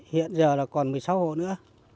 hiện giờ là còn một mươi sáu hộ nữa